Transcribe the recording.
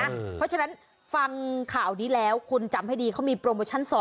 เพราะฉะนั้นฟังข่าวนี้แล้วคุณจำให้ดีเขามีโปรโมชั่น๒